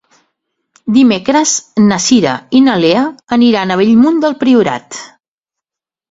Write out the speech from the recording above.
Dimecres na Cira i na Lea aniran a Bellmunt del Priorat.